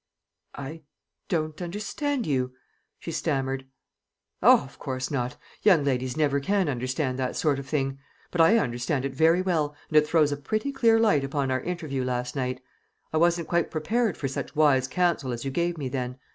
"I don't understand you," she stammered. "O, of course not; young ladies never can understand that sort of thing. But I understand it very well, and it throws a pretty clear light upon our interview last night. I wasn't quite prepared for such wise counsel as you gave me then.